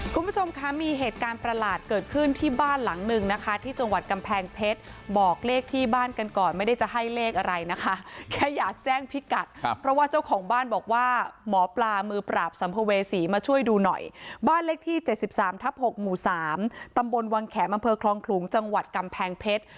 คุณผู้ชมคะมีเหตุการณ์ประหลาดเกิดขึ้นที่บ้านหลังหนึ่งนะคะที่จังหวัดกำแพงเพชรบอกเลขที่บ้านกันก่อนไม่ได้จะให้เลขอะไรนะคะแค่อยากแจ้งพิกัดครับเพราะว่าเจ้าของบ้านบอกว่าหมอปลามือปราบสัมภเวษีมาช่วยดูหน่อยบ้านเลขที่เจ็ดสิบสามทับหกหมู่สามตำบลวังแขมอำเภอคลองขลุงจังหวัดกำแพงเพชร